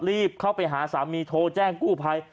รีบเข้าไปหาสามีโทรแจ้งกู้ภัย